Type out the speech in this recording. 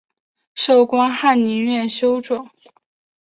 授官翰林院修撰。